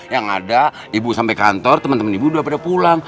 yang ada ibu sampai kantor teman teman ibu udah pada pulang